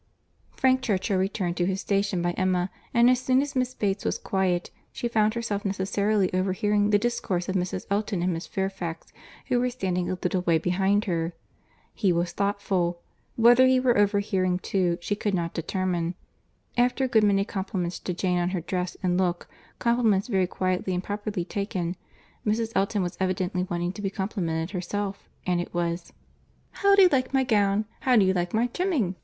Frank Churchill returned to his station by Emma; and as soon as Miss Bates was quiet, she found herself necessarily overhearing the discourse of Mrs. Elton and Miss Fairfax, who were standing a little way behind her.—He was thoughtful. Whether he were overhearing too, she could not determine. After a good many compliments to Jane on her dress and look, compliments very quietly and properly taken, Mrs. Elton was evidently wanting to be complimented herself—and it was, "How do you like my gown?—How do you like my trimming?